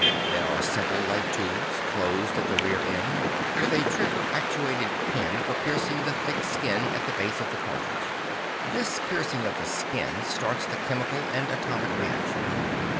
They are simple light tubes, closed at the rear end, with a trigger actuated pin for piercing the thin skin at the base of the cartridge. This piercing of the skin starts the chemical and atomic reaction.